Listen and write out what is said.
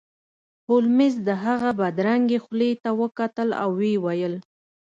هولمز د هغه بدرنګې خولې ته وکتل او ویې ویل